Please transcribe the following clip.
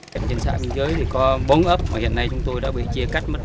trên xã biên giới có bốn ấp mà hiện nay chúng tôi đã bị chia cắt